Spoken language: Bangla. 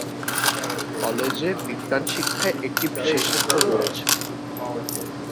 কলেজে বিজ্ঞান শিক্ষায় একটি বিশেষত্ব রয়েছে।